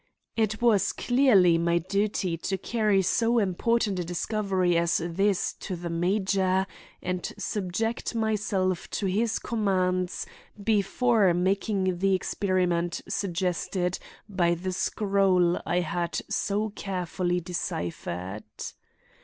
It was clearly my duty to carry so important a discovery as this to the major and subject myself to his commands before making the experiment suggested by the scroll I had so carefully deciphered.